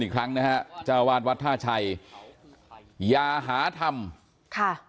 อีกครั้งนะครับจะวาลวะท่าชัยยาหาธรรมค่ะ